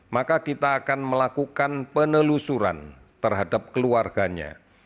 maka kita akan melakukan penelusuran terhadap keluarganya